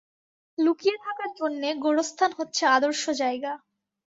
লুকিয়ে থাকার জন্যে গোরস্থান হচ্ছে আদর্শ জায়গা।